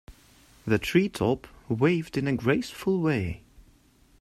The tree top waved in a graceful way.